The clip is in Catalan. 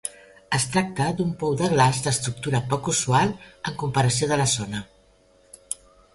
Es tracta d'un pou de glaç d'estructura poc usual en comparació de la zona.